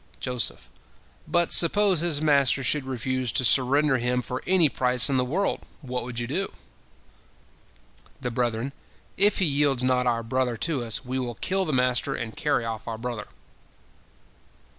Joseph: "But suppose his master should refuse to surrender him for any price in the world, what would you do?" The brethren: "If he yields not our brother to us, we will kill the master, and carry off our brother."